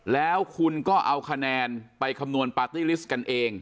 แล้วคุณก็เอาคะแนนไปคำนวณปาร์ตี้ลิสต์กันเอง